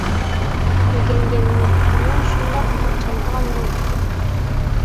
ئۆگەنگەندىمۇ شۇنداق مۇڭ چالىدىغان بولۇپ كەتتىم.